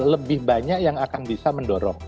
lebih banyak yang akan bisa mendorong